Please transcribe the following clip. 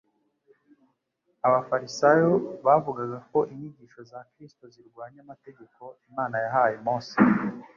Abafarisayo bavugaga ko inyigisho za Kristo zirwanya amategeko Imana yahaye Mose;